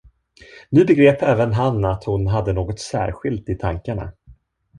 Nu begrep även han att hon hade något särskilt i tankarna.